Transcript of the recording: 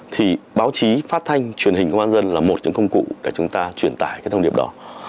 thì báo chí phát thanh truyền hình công an dân là một những công cụ để chúng ta truyền tải cái thông điệp đó